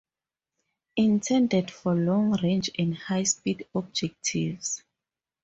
Intended for long range and high speed objectives.